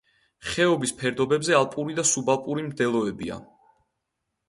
ხეობის ფერდობებზე ალპური და სუბალპური მდელოებია.